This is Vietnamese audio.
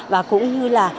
và cũng như là